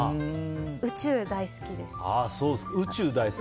宇宙、大好きです。